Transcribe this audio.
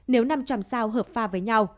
nếu năm trăm linh sao hợp pha với nhau